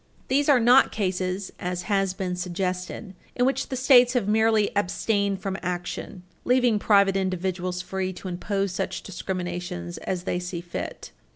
These are not cases, as has been suggested, in which the States have merely abstained from action, leaving private individuals free to impose such discriminations as they see fit.